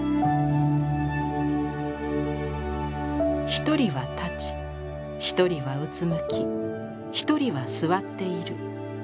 「一人は立ち一人はうつむき一人は座っている。